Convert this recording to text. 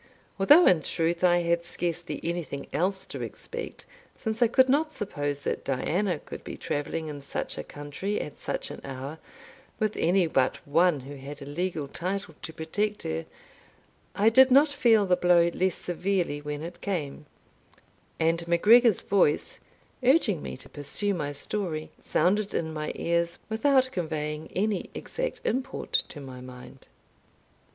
Although in truth I had scarcely anything else to expect, since I could not suppose that Diana could be travelling in such a country, at such an hour, with any but one who had a legal title to protect her, I did not feel the blow less severely when it came; and MacGregor's voice, urging me to pursue my story, sounded in my ears without conveying any exact import to my mind.